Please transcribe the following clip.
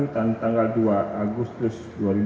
dan tanggal dua agustus